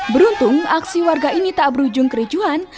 beruntung aksi warga ini tak berujung kericuhan